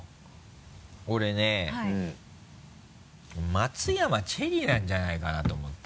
松山チェリーなんじゃないかなと思って。